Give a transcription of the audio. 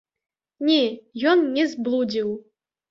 Не, ён не зблудзіў.